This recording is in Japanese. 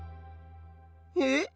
えっ？